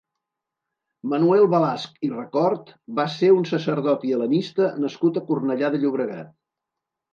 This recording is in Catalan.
Manuel Balasch i Recort va ser un sacerdot i hel·lenista nascut a Cornellà de Llobregat.